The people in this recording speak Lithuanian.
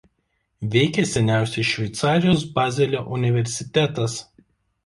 Veikia seniausias Šveicarijos Bazelio universitetas.